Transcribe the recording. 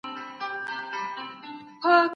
ايا انلاين درسونه د زده کړې دوامداره ملاتړ کوي؟